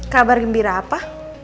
kabar gembira apa